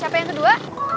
capek yang kedua